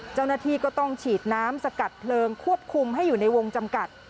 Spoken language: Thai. เจ้าหน้าที่ก็ต้องฉีดน้ำสกัดเพลิงควบคุมให้อยู่ในวงจำกัด